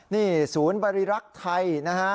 นี่ศูนย์บริรักษ์ไทยนะฮะ